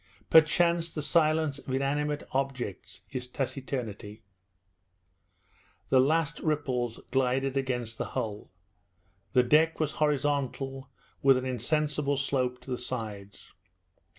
Perchance the silence of inanimate objects is taciturnity. The last ripples glided along the hull. The deck was horizontal, with an insensible slope to the sides.